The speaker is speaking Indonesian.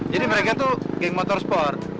jadi mereka tuh geng motorsport